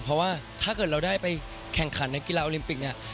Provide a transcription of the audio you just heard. เพราะว่าถ้าเกิดเราได้ไปแข่งขันในกีฬาโอลิมปิกเนี่ย